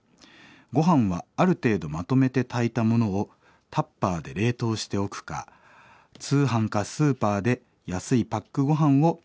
「ごはんはある程度まとめて炊いたものをタッパーで冷凍しておくか通販かスーパーで安いパックごはんを買っておきます。